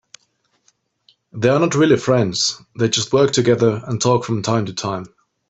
They are not really friends, they just work together and talk from time to time.